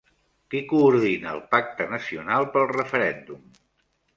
Qui coordina el Pacte Nacional pel Referèndum?